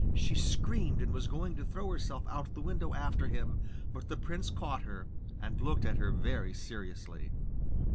She screamed, and was going to throw herself out the window after him, but the prince caught her, and looked at her very seriously.